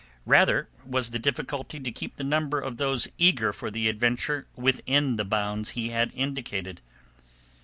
Rather was the difficulty to keep the number of those eager for the adventure within the bounds he had indicated.